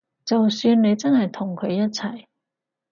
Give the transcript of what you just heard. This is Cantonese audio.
就算你真係同佢一齊